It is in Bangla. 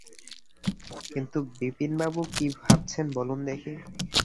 কিন্তু, বিপিনবাবু, কী ভাবছেন বলুন দেখি?